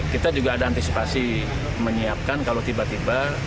kita juga ada antisipasi menyiapkan kalau tiba tiba